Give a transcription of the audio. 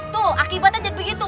tuh akibatnya jadi begitu